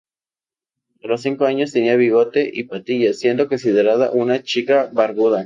A los cinco años, tenía bigote y patillas siendo considerada una "chica barbuda".